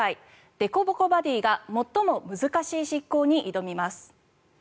でこぼこバディーが最も難しい執行に挑みます。